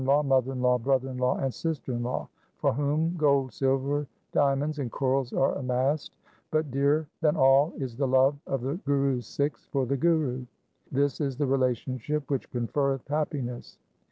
BHAI GUR DAS'S ANALYSIS 263 mother in law, brother in law, and sister in law, for whom gold, silver, diamonds, and corals are amassed ; but dearer than all is the love of the Guru's Sikhs for the Guru. This is the relationship which conferreth happiness.